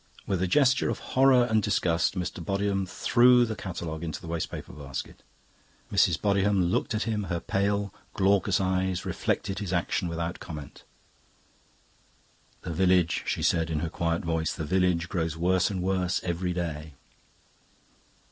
With a gesture of horror and disgust Mr. Bodiham threw the catalogue into the waste paper basket. Mrs. Bodiham looked at him; her pale, glaucous eyes reflected his action without comment. "The village," she said in her quiet voice, "the village grows worse and worse every day."